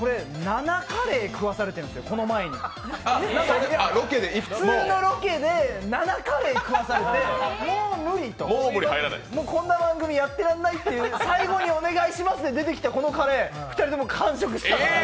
７カレー食わされてるんですよ、この前に。普通のロケで７カレー食わされて、もう無理と、こんな番組やってられないと最後にお願いしますで出てきたこのカレー、２人とも完食したんです。